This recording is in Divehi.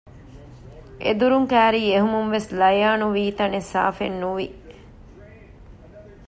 އެދުރުން ކައިރީ އެހުމުންވެސް ލަޔާނު ވީތަނެއް ސާފެއްނުވި